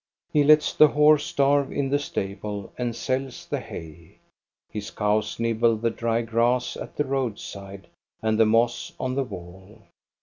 He lets the horse starve in the stable and sells the hay, his cows nibble the dry grass at the roadside and the moss on the wall.